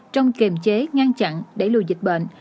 trong kiềm chế ngăn chặn đẩy lùi dịch bệnh